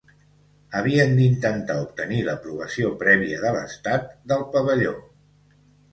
Havien d'intentar obtenir l'aprovació prèvia de l'estat del pavelló.